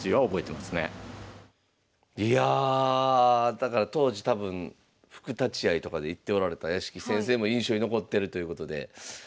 だから当時多分副立会とかで行っておられた屋敷先生も印象に残ってるということで。